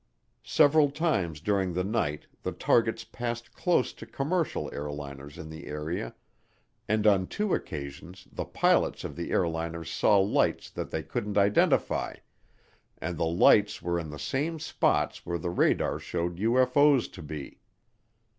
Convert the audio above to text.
Several times during the night the targets passed close to commercial airliners in the area and on two occasions the pilots of the airliners saw lights that they couldn't identify, and the lights were in the same spots where the radar showed UFO's to be.